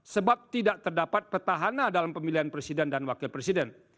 sebab tidak terdapat petahana dalam pemilihan presiden dan wakil presiden